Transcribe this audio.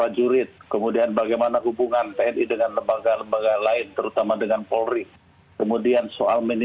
jenderal andika perkasa